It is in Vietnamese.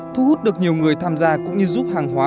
thu hút được nhiều người tham gia cũng như giúp hàng hóa